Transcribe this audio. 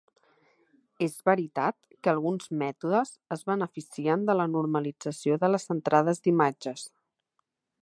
És veritat que alguns mètodes es beneficien de la normalització de les entrades d'imatges.